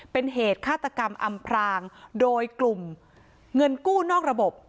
เป็นเหตุฆาตกรรมอำพรางโดยกลุ่มเงินกู้นอกระบบ